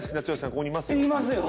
ここにいますよ。